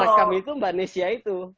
yang ngerekam itu mbak nesya itu